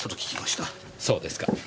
そうですか。